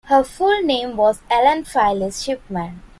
Her full name was Helen Phyllis Shipman.